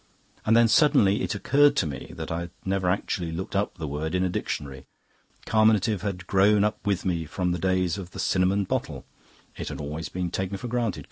And then suddenly it occurred to me that I had never actually looked up the word in a dictionary. Carminative had grown up with me from the days of the cinnamon bottle. It had always been taken for granted.